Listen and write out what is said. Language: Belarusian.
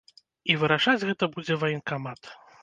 І вырашаць гэта будзе ваенкамат.